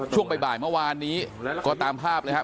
ช่วงบ่ายเมื่อวานนี้ก็ตามภาพเลยครับ